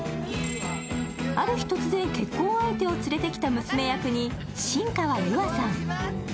ある日突然、結婚相手を連れてきた娘役に新川優愛さん。